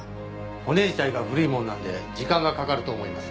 骨自体が古いものなんで時間がかかると思います。